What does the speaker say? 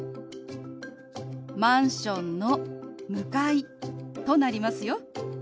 「マンションの向かい」となりますよ。